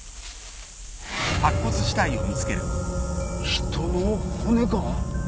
人の骨か！？